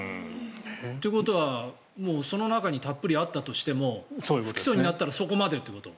ということはその中にたっぷりあったとしても不起訴になったらそこまでということ？